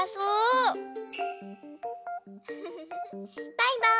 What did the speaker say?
バイバーイ。